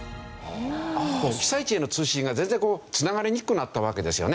被災地への通信が全然こうつながりにくくなったわけですよね。